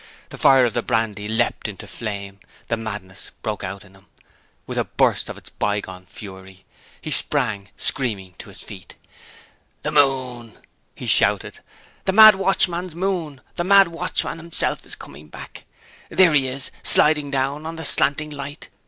The fire of the brandy leapt into flame the madness broke out in him, with a burst of its by gone fury. He sprang, screaming, to his feet. "The moon!" he shouted "the mad watchman's moon! The mad watchman himself is coming back. There he is, sliding down on the slanting light!